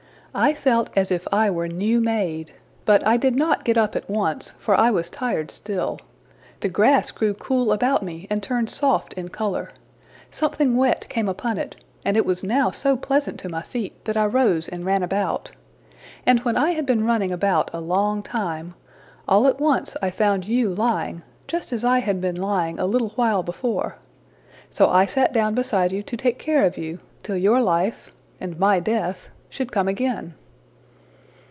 I felt as if I were new made. But I did not get up at once, for I was tired still. The grass grew cool about me and turned soft in color. Something wet came upon it, and it was now so pleasant to my feet that I rose and ran about. And when I had been running about a long time, all at once I found you lying, just as I had been lying a little while before. So I sat down beside you to take care of you, till your life and my death should come again.''